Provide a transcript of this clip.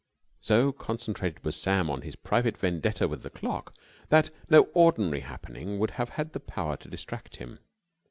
So concentrated was Sam on his private vendetta with the clock that no ordinary happening would have had the power to distract him.